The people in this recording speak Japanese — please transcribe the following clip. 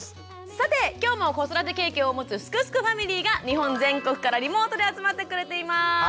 さて今日も子育て経験を持つ「すくすくファミリー」が日本全国からリモートで集まってくれています。